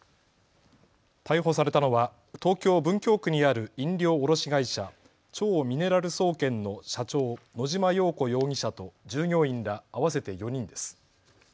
逮捕されたのは東京文京区にある飲料卸会社、超ミネラル総研の社長、野島洋子容疑者と従業員ら合わせて４人です。